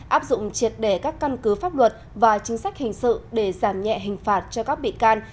áp dụng triệt đề các căn cứ pháp luật và chính sách hình sự để giảm nhẹ hình phạt cho các bị can